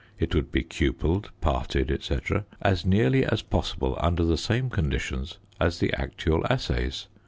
It would be cupelled, parted, &c., as nearly as possible under the same conditions as the actual assays.